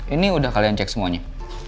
ini udah kalian cek semuanya